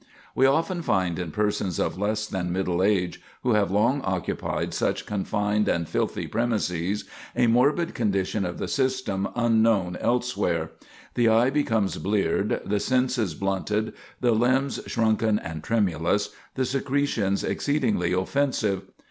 We often find in persons of less than middle age, who have long occupied such confined and filthy premises, a morbid condition of the system unknown elsewhere. The eye becomes bleared, the senses blunted, the limbs shrunken and tremulous, the secretions exceedingly offensive.